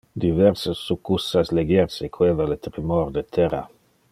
Diverse succussas legier sequeva le tremor de terra.